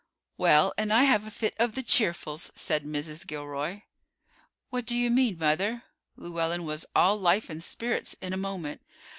"Well, and I have a fit of the cheerfuls," said Mrs. Gilroy. "What do you mean, mother?" Llewellyn was all life and spirits in a moment.